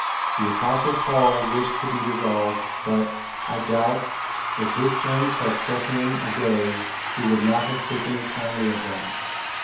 The Apostle Paul wished to be dissolved; but, I doubt, if his friends had set him a day, he would not have taken it kindly of them."